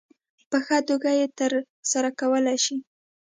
په ښه توګه یې ترسره کولای شي.